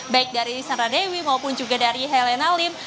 baik dari sandra dewi maupun juga dari helena lim